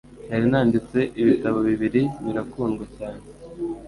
Narinanditse ibitabo bibiri birakundwa cyane